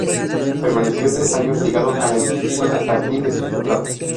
Permaneció tres años ligado a la institución hasta el fin de su contrato.